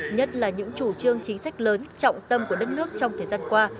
nhất là những chủ trương chính sách lớn trọng tâm của đất nước trong thời gian qua